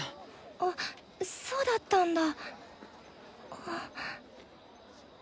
あそうだったんだ。